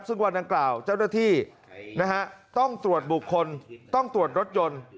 ซึ่งวันดังกล่าวเจ้าหน้าที่ต้องตรวจบุคคลต้องตรวจรถยนต์